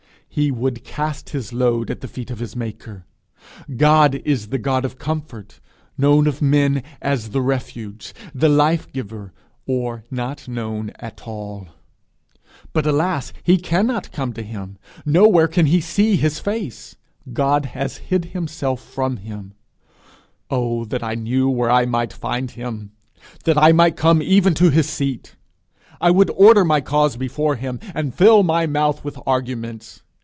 He would cast his load at the feet of his maker! God is the God of comfort, known of man as the refuge, the life giver, or not known at all. But alas! he cannot come to him! Nowhere can he see his face! He has hid himself from him! 'Oh that I knew where I might find him! that I might come even to his seat! I would order my cause before him, and fill my mouth with arguments.